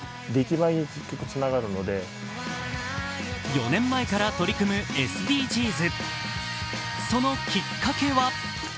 ４年前から取り組むＳＤＧｓ